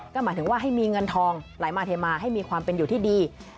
ก็หมายถึงว่าให้มีเงินทองไหลมาเทมาให้มีความเป็นอยู่ที่ดี